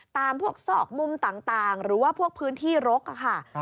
ตามพวกซอกมุมต่างหรือว่าพวกพื้นที่รกค่ะ